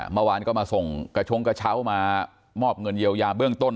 เมื่อวานก็มาส่งกระชงกระเช้ามามอบเงินเยียวยาเบื้องต้น